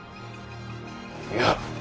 いや。